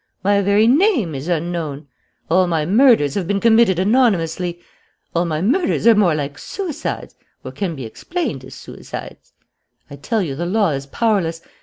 My very name is unknown. All my murders have been committed anonymously. All my murders are more like suicides, or can be explained as suicides. "I tell you the law is powerless.